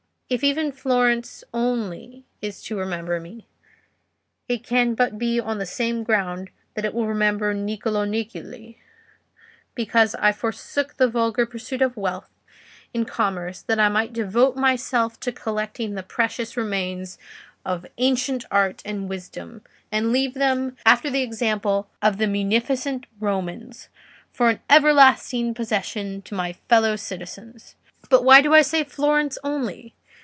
"If even Florence only is to remember me, it can but be on the same ground that it will remember Niccolò Niccoli—because I forsook the vulgar pursuit of wealth in commerce that I might devote myself to collecting the precious remains of ancient art and wisdom, and leave them, after the example of the munificent Romans, for an everlasting possession to my fellow citizens. But why do I say Florence only?